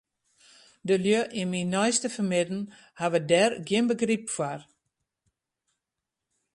De lju yn myn neiste fermidden hawwe dêr gjin begryp foar.